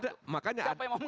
siapa yang mau mengadu